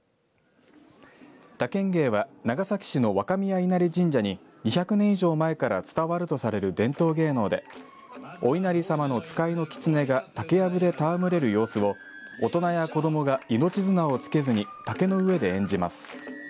竹ン芸は長崎市の若宮稲荷神社に２００年以上前から伝わるとされる伝統芸能でお稲荷様の使いのきつねが竹やぶで戯れる様子を大人や子どもが命綱をつけずに竹の上で演じます。